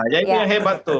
ya ini yang hebat tuh